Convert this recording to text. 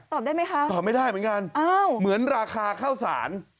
ได้ไหมคะตอบไม่ได้เหมือนกันเหมือนราคาข้าวสาร